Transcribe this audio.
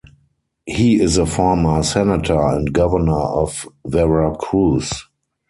He is a former senator and governor of Veracruz.